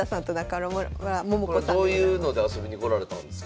どういうので遊びに来られたんですか？